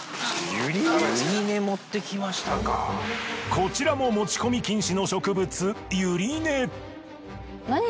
こちらも持ち込み禁止の植物